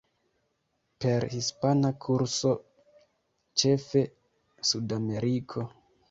Per hispana kurso, ĉefe Sudameriko.